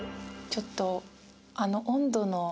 ちょっと。